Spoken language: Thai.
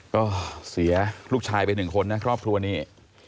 ก็เสียลูกชายไปหนึ่งคนนะครอบครัวนี้